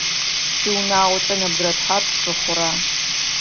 Шъуиунагъокӏэ нэбгырэ тхьапш шъухъура?